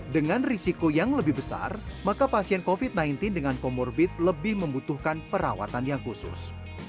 dengan risiko yang lebih besar maka pasien covid sembilan belas dengan comorbid lebih membutuhkan perawatan yang khusus